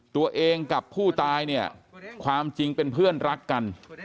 ตัวเองกับผู้ตายเนี่ยความจริงเป็นเพื่อนรักกัน